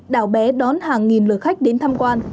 đảo bé đón hàng nghìn lượt khách đến tham quan